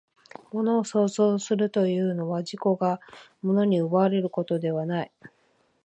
物を創造するというのは、自己が物に奪われることではない。